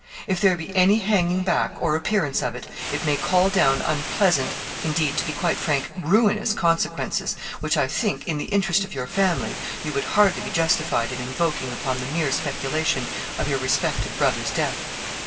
If there be any hanging back, or appearance of it, it may call down unpleasant indeed, to be quite frank, ruinous consequences, which, I think, in the interest of your family, you would hardly be justified in invoking upon the mere speculation of your respected brother's death.'